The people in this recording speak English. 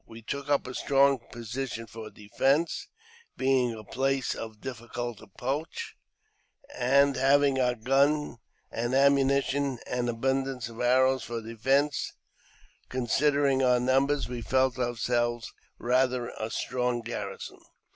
We took up a strong position for defence, being JAMES P. BECKWOVBTH. 73 a place of difiBicult approach; and having our guns, and ammunition, and abundance of arrows for defence, considering •our numbers, we felt ourselves rather a strong garrison.